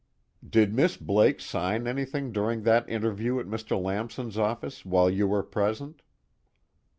"Did Miss Blake sign anything during that interview at Mr. Lamson's office, while you were present?"